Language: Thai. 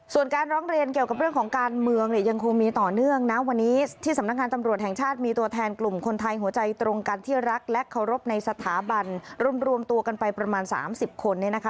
ส่วนการร้องเรียนเกี่ยวกับเรื่องของการเมืองเนี่ยยังคงมีต่อเนื่องนะวันนี้ที่สำนักงานตำรวจแห่งชาติมีตัวแทนกลุ่มคนไทยหัวใจตรงกันที่รักและเคารพในสถาบันรวมตัวกันไปประมาณ๓๐คนเนี่ยนะคะ